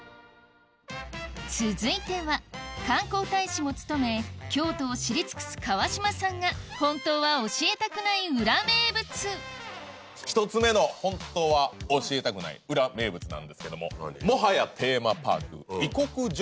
続いては観光大使も務め京都を知り尽くす川島さんが本当は教えたくない裏名物１つ目の本当は教えたくない裏名物なんですけども。